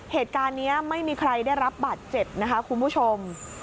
เหตุการณ์นี้ไม่มีใครได้รับบาดเจ็บนะคะคุณผู้ชม